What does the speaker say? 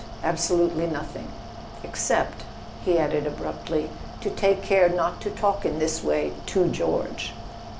.. absolutely nothing Except," he added abruptly» "to take care not to talk in this way to George."